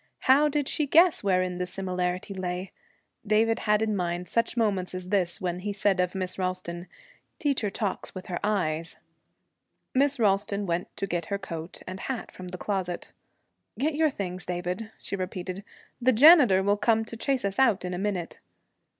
How did she guess wherein the similarity lay? David had in mind such moments as this when he said of Miss Ralston, 'Teacher talks with her eyes.' Miss Ralston went to get her coat and hat from the closet. 'Get your things, David,' she repeated. 'The janitor will come to chase us out in a minute.'